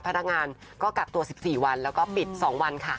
พนักงานก็กักตัว๑๔วันแล้วก็ปิด๒วันค่ะ